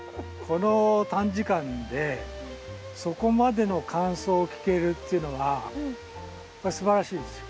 この短時間でそこまでの感想を聞けるっていうのがすばらしいですよ。